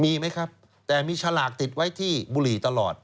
มีไหมครับแต่มีฉลากติดไว้ที่บุหรี่ตลอด